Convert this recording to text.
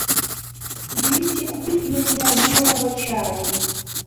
Велите купить для меня зеленого чаю.